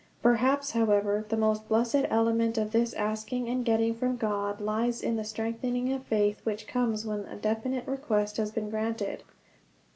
Perhaps, however, the most blessed element in this asking and getting from God lies in the strengthening of faith which comes when a definite request has been granted.